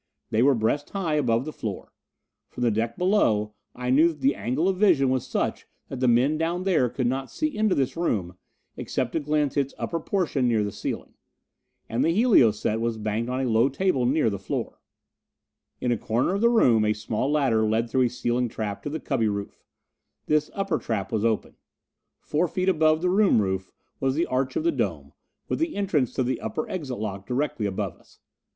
They were breast high above the floor; from the deck below I knew that the angle of vision was such that the men down there could not see into this room except to glimpse its upper portion near the ceiling. And the helio set was banked on a low table near the floor. In a corner of the room a small ladder led through a ceiling trap to the cubby roof. This upper trap was open. Four feet above the room roof was the arch of the dome, with the entrance to the upper exit lock directly above us.